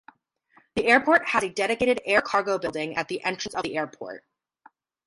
The airport has a dedicated air cargo building at the entrance of the airport.